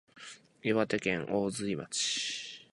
岩手県大槌町